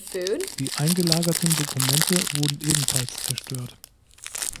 Die eingelagerten Dokumente wurden ebenfalls zerstört.